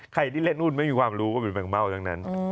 ใครที่เล่นหุ้นไม่มีความรู้ว่าเป็นแมงเม่าทั้งนั้น